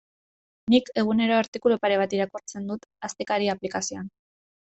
Nik egunero artikulu pare bat irakurtzen dut Astekaria aplikazioan.